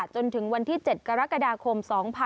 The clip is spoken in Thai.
จนถึงวันที่๗กรกฎาคม๒๕๖๒